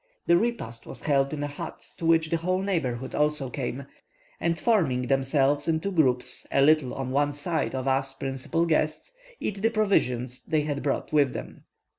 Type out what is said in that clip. The repast was held in a hut, to which the whole neighbourhood also came, and forming themselves into groups a little on one side of us principal guests, eat the provisions they had brought with them.